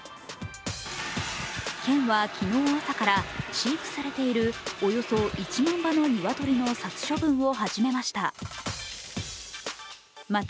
県は昨日朝から飼育されているおよそ１万羽の鶏の殺処分を始めました。